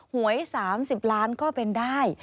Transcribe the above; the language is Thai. หวย๓๐ล้านก็เป็นได้